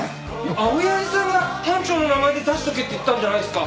青柳さんが班長の名前で出しとけって言ったんじゃないですか！